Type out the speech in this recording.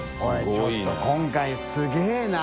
ちょっと今回すげぇな。